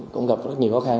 cũng gặp rất nhiều khó khăn